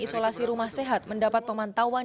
isolasi rumah sehat mendapat pemantauan